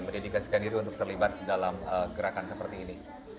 mendedikasikan diri untuk terlibat dalam gerakan seperti ini